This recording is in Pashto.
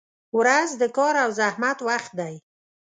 • ورځ د کار او زحمت وخت دی.